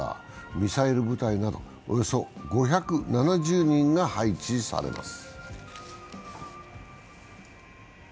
ミサイル部隊など、およそ５７０人が配置されます。